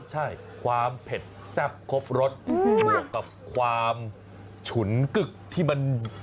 ใช่ความเผ็ดแซ่บครบรสบวกกับความฉุนกึกที่มัน